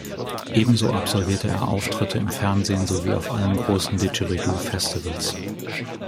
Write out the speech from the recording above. Ebenso absolvierte er Auftritte im Fernsehen sowie auf allen großen Didgeridoo-Festivals.